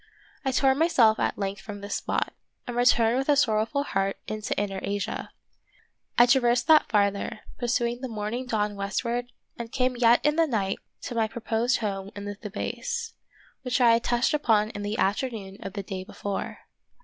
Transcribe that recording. I tore myself at length from this spot, and re turned with a sorrowful heart into inner Asia. I traversed that farther, pursuing the morning dawn westward, and came yet in the night to io6 The Wonderful History my proposed home in the Thebais, which I had touched upon in the afternoon of the day before.